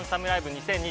２０２２